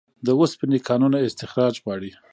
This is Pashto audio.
د اوسپنې کانونه استخراج غواړي